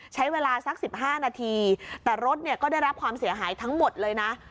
ใช้เวลาสัก๑๕นาทีแต่รถเนี่ยก็ได้รับความเสียหายทั้งหมดเลยนะ